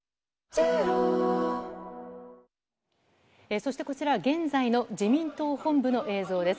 そしてこちらは、現在の自民党本部の映像です。